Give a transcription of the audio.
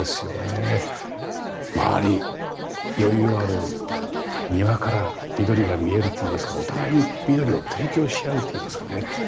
周り余裕ある庭から緑が見えるっていいますかお互いに緑を提供しあうっていいますかね。